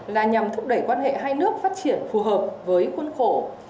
là nhằm thúc đẩy quan hệ hai nước phát triển phù hợp với khuôn khổ